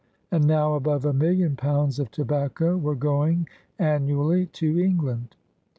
And now above a million pounds of tobacco were going annually to England.